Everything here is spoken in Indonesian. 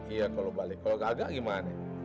iya kalau balik kalau gagal gimana